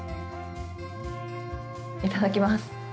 いただきます。